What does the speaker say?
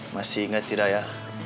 masih inget raya